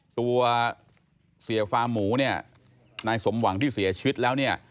ตัวเสียฟาร์มหมูเนี่ยนายสมหวังที่เสียชีวิตแล้วเนี่ย